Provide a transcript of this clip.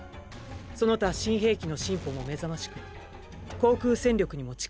その他新兵器の進歩もめざましく航空戦力にも力を注いでいます。